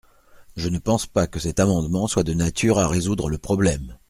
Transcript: Je ne pense pas que cet amendement soit de nature à résoudre le problème.